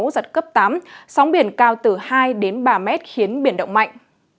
giật cấp tám sóng biển cao từ hai đến ba mét khiến biển động mạnh